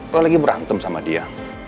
kalau lagi berantem sama dia